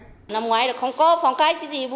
năm ngoái là không có phong cách gì